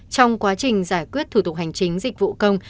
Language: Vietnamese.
trong quá trình giải quyết thủ tục hành chính dịch vụ công